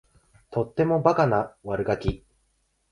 とってもおバカな悪ガキ